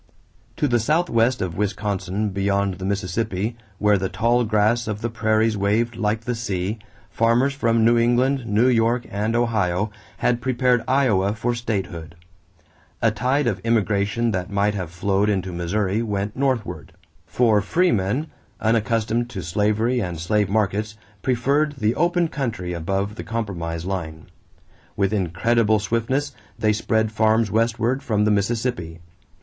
= To the southwest of Wisconsin beyond the Mississippi, where the tall grass of the prairies waved like the sea, farmers from New England, New York, and Ohio had prepared Iowa for statehood. A tide of immigration that might have flowed into Missouri went northward; for freemen, unaccustomed to slavery and slave markets, preferred the open country above the compromise line. With incredible swiftness, they spread farms westward from the Mississippi.